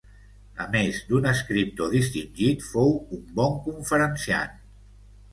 A més d'un escriptor distingit, fou un bon conferenciant.